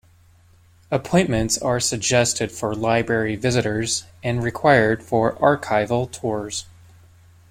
Appointments are suggested for library visitors and required for archival tours.